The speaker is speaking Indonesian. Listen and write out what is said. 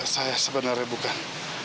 saya sebenarnya bukan